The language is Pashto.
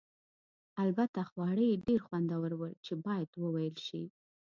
البته خواړه یې ډېر خوندور ول چې باید وویل شي.